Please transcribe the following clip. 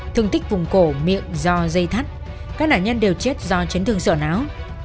thương tích vùng cổ miệng do dây thắt các nạn nhân đều chết do chấn thương sỏ não